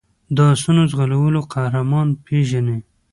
د آسونو ځغلولو قهرمان پېژني.